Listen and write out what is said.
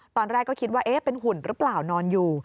ตอนแรกก็คิดว่าเป็นหุ่นหรือเปล่านอนอยู่